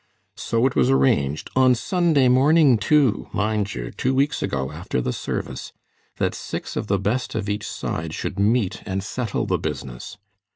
So it was arranged, on Sunday morning, too, mind you, two weeks ago, after the service, that six of the best of each side should meet and settle the business.